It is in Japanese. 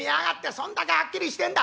そんだけはっきりしてんだ。